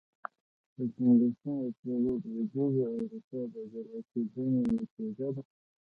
د پنځلسمې پېړۍ لوېدیځه اروپا د جلا کېدنې نتیجه ده.